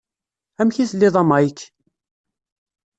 Amek i telliḍ a Mike?